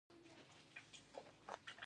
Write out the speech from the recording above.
د جدې په نړیوال هوايي ډګر کې.